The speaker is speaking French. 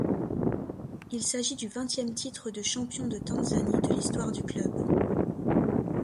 Il s’agit du vingtième titre de champion de Tanzanie de l’histoire du club.